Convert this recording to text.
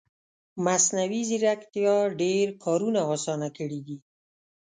مصنوعي ځیرکتیا ډېر کارونه اسانه کړي دي